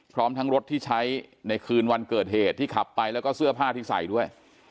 พร้อมทั้งรถที่ใช้ในคืนวันเกิดเหตุที่ขับไปแล้วก็เสื้อผ้าที่ใส่ด้วย